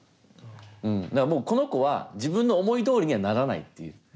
だからもうこの子は自分の思いどおりにはならないっていう。